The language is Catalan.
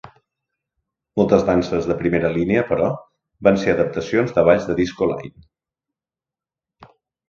Moltes danses de primera línia, però, van ser adaptacions de balls de disco line.